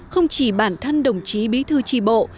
không chỉ bản thân đồng chí bí thư tri bộ